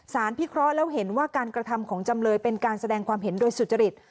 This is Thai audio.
พิเคราะห์แล้วเห็นว่าการกระทำของจำเลยเป็นการแสดงความเห็นโดยสุจริต